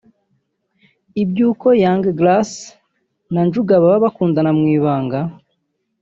Iby’uko Young Grace na Njuga baba bakundana mu ibanga